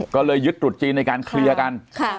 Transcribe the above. ก็เลยยึดตรุษจีนในการเคลียร์กัน